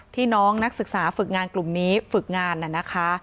น้องนักศึกษาฝึกงานกลุ่มนี้ฝึกงานน่ะนะคะ